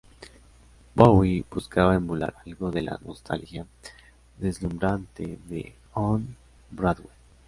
Bowie buscaba emular algo de la nostalgia deslumbrante de "On Broadway".